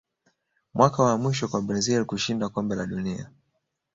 mwaka wa mwisho kwa brazil kushinda kombe la dunia